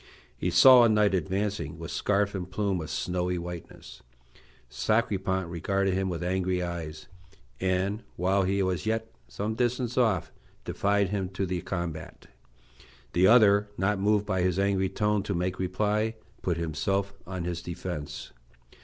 He saw a knight advancing, with scarf and plume of snowy whiteness. Sacripant regarded him with angry eyes, and, while he was yet some distance off, defied him to the combat. The other, not moved by his angry tone to make reply, put himself on his defence.